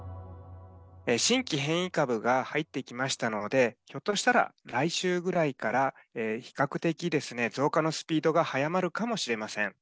新規変異株が入ってきましたので、ひょっとしたら、来週ぐらいから比較的増加のスピードが早まるかもしれません。